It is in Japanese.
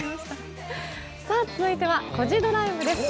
続いては「コジドライブ」です。